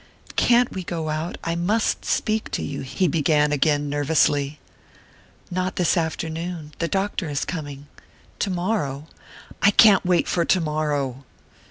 "Can't we go out? I must speak to you," he began again nervously. "Not this afternoon the doctor is coming. Tomorrow " "I can't wait for tomorrow!"